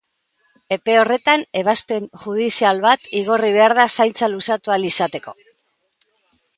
Epe horretan, ebazpen judizial bat igorri behar da zaintza luzatu ahal izateko.